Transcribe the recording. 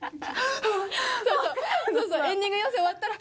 そうそうエンディング妖精終わったら。